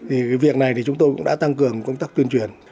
thì cái việc này thì chúng tôi cũng đã tăng cường công tác tuyên truyền